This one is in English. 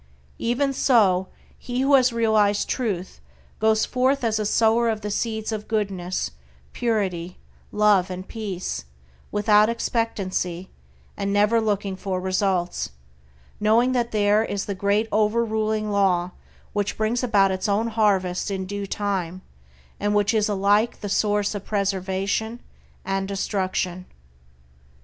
Even so, he who has realized Truth goes forth as a sower of the seeds of goodness, purity, love and peace, without expectancy, and never looking for results, knowing that there is the Great Over ruling Law which brings about its own harvest in due time, and which is alike the source of preservation and destruction.